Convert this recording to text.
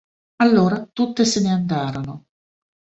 Allora tutte se ne andarono.